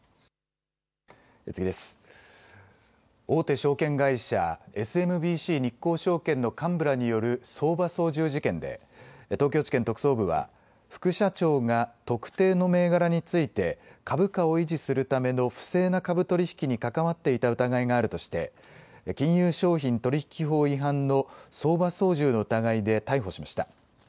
大手証券会社、ＳＭＢＣ日興証券の幹部らによる相場操縦事件で、東京地検特捜部は、副社長が特定の銘柄について、株価を維持するための不正な株取引に関わっていた疑いがあるとして、金融商品取引法違反の相場操縦の疑いで逮捕しました。